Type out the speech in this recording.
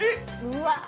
うわ。